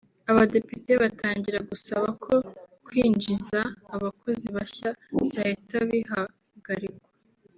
abadepite batangira gusaba ko kwinjiza abakozi bashya byahita bihagarikwa